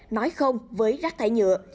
nói không với rác thải nhựa